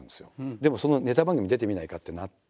でもそのネタ番組に出てみないかってなって。